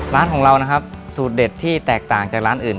ร้านของเรานะครับสูตรเด็ดที่แตกต่างจากร้านอื่น